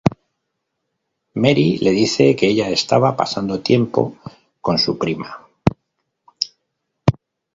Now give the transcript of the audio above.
Marie le dice que ella estaba pasando tiempo con su prima.